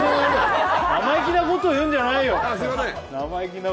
生意気なこと言うんじゃないよ！